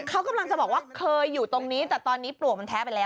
เขาเคยอยู่ตรงนี้แต่ตอนนี้ปลวกมันแท้ไปแล้ว